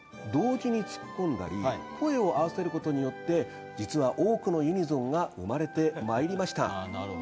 同時にツッコんだり声を合わせることによって実は多くのユニゾンが生まれてまいりました。